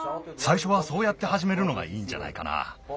さいしょはそうやってはじめるのがいいんじゃないかな。